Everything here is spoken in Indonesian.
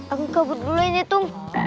aku kabur dulu ini tung